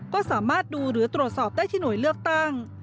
ก็สามารถดูหรือตรวจสอบได้ที่หน่วยเลือกตั้ง